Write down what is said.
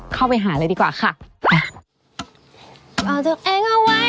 เข้าไปหาเลยดีกว่าค่ะไป